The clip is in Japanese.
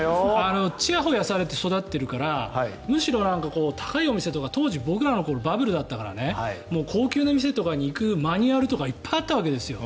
ちやほやされて育ってるからむしろ、高いお店とか当時、僕らの頃バブルだったから高級な店とかに行くマニュアルとかいっぱいあったわけですよ。